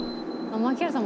「槙原さん